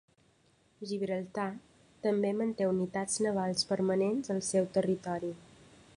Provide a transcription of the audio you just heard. Gibraltar també manté unitats navals permanents al seu territori.